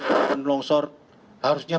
di rumah penyusunan longsor harusnya